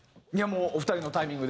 お二人のタイミングで。